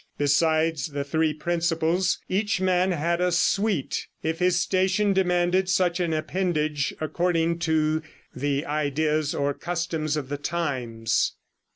Besides the three principals, each man had a suite, if his station demanded such an appendage according to the ideas or customs of the times.